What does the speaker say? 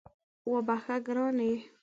وبخښه ګرانې